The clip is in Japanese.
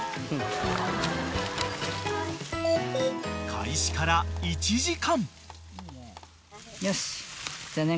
［開始から１時間］